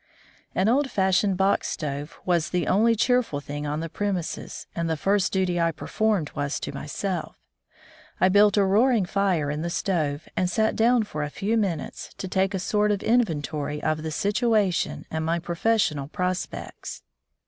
An old fashioned box stove was the only cheerful thing on the premises, and the first duty I performed was to myself. I built a roaring fire in the stove, and sat down for a few minutes to take a sort of inventory of the situation and my professional prospects.